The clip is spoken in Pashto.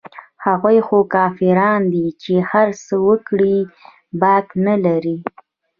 هغوى خو کافران دي چې هرڅه وکړي باک نه لري.